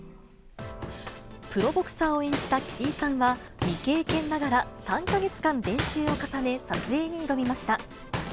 プロボクサーを演じた岸井さんは、未経験ながら３か月間練習を重ね、撮影に挑みました。